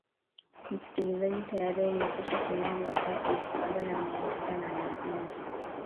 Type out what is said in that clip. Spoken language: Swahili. msikilizaji tayari umekwisha tumia masaa elfu saba na mia sita na nne